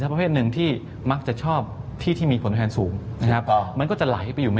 ประเภทหนึ่งที่มักจะชอบที่ที่มีผลแทนสูงนะครับมันก็จะไหลไปอยู่ไม่